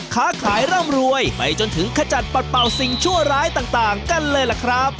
ค้าขายร่ำรวยไปจนถึงขจัดปัดเป่าสิ่งชั่วร้ายต่างกันเลยล่ะครับ